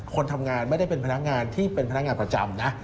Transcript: คนทำงานไม่ได้เป็นพนักงานที่เป็นพนักงานประจำนะ